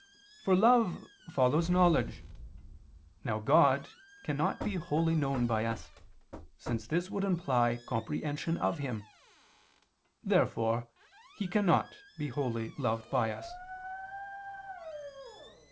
For love follows knowledge. Now God cannot be wholly known by us, since this would imply comprehension of Him. Therefore He cannot be wholly loved by us.